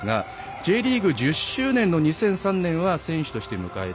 Ｊリーグ１０周年の２００３年は選手として迎えて